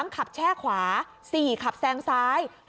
ขับแช่ขวา๔ขับแซงซ้าย